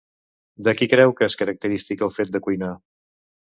De qui creu que és característic el fet de cuinar?